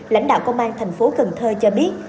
lãnh đạo công an tp cần thơ cho biết